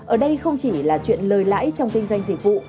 ở đây không chỉ là chuyện lời lãi trong kinh doanh dịch vụ